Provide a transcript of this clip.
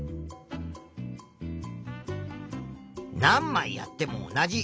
何まいやっても同じ。